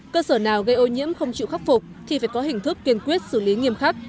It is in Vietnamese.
cơ sở nào gây ô nhiễm không chịu khắc phục thì phải có hình thức kiên quyết xử lý nghiêm khắc